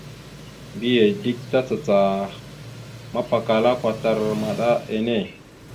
Mbiyez dik tacacah mapakala kwatar maɗa enne.